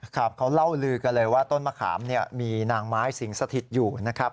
ครับเขาเล่าลือกันเลยว่าต้นมะขามมีนางไม้สิงสถิตอยู่นะครับ